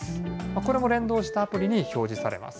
これも連動したアプリに表示されます。